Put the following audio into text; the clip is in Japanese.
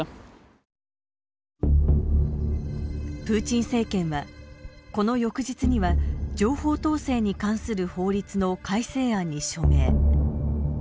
プーチン政権はこの翌日には情報統制に関する法律の改正案に署名。